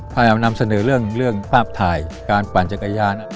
ถ้าเรานำเสนอเรื่องภาพถ่ายการปั่นจักรยาน